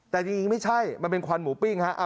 แต่จริงไม่ใช่มันเป็นควันหมูปิ้งฮะ